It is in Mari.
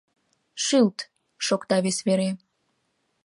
— Шӱлт! — шокта вес вере.